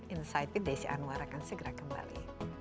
insight with desi anwar akan segera kembali